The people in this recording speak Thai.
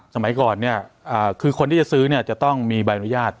สมัยก่อนเนี่ยคือคนที่จะซื้อเนี่ยจะต้องมีใบอนุญาต